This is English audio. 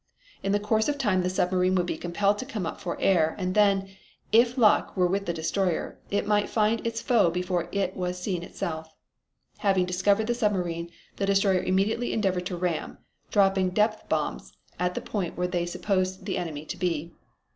In the course of time the submarine would be compelled to come up for air, and then, if luck were with the destroyer, it might find its foe before it was seen itself. Having discovered the submarine the destroyer immediately endeavored to ram, dropping depth bombs at the point where they supposed the enemy to be.